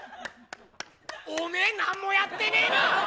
お前何もやってねえな！